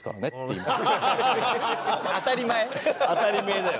当たり前だよ。